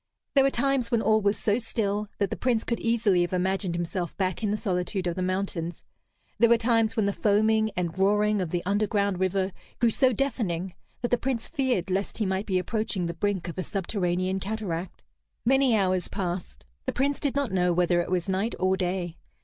There were times when all was so still that the Prince could easily have imagined himself back in the solitude of the mountains; there were times when the foaming and roaring of the underground river grew so deafening that the Prince feared lest he might be approaching the brink of a subterranean cataract. Many hours passed. The Prince did not know whether it was night or day.